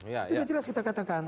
sudah jelas kita katakan